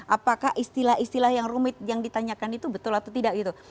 apakah istilah istilah yang rumit yang ditanyakan itu betul atau tidak gitu